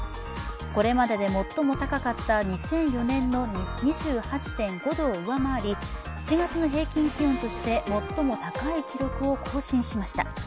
これまでで最も高かった２００４年の２８．５度を上回り７月の平均気温として最も高い記録を更新しました。